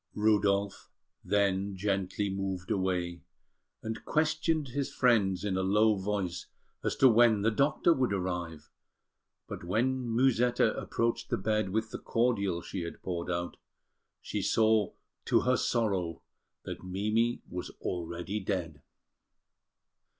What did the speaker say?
Rudolf then gently moved away, and questioned his friends in a low voice as to when the doctor would arrive; but when Musetta approached the bed with the cordial she had poured out, she saw to her sorrow that Mimi was already dead.